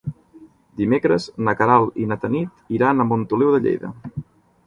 Dimecres na Queralt i na Tanit iran a Montoliu de Lleida.